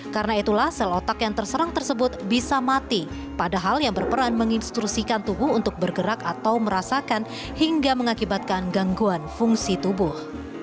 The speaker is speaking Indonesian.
karena itulah sel otak yang terserang tersebut bisa mati padahal yang berperan menginstruksikan tubuh untuk bergerak atau merasakan hingga mengakibatkan gangguan fungsi tubuh